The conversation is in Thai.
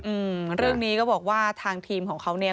อืมเรื่องนี้ก็บอกว่าทางทีมของเขาเนี่ย